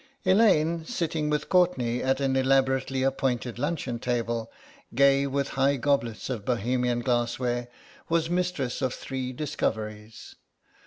Elaine sitting with Courtenay at an elaborately appointed luncheon table, gay with high goblets of Bohemian glassware, was mistress of three discoveries.